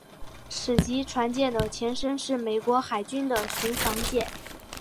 此级船舰的前身是美国海军的巡防舰。